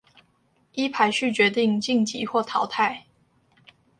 依排序決定晉級或淘汰